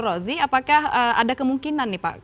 rozi apakah ada kemungkinan nih pak